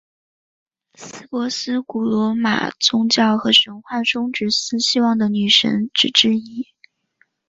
司珀斯古罗马宗教和神话中职司希望的女性神只之一。